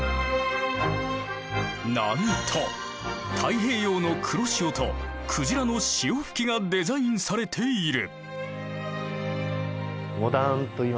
なんと太平洋の黒潮とクジラの潮吹きがデザインされている。